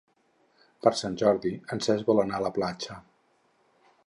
Per Sant Jordi en Cesc vol anar a la platja.